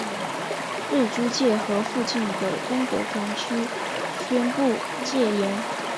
日租界和附近的中国管区宣布戒严。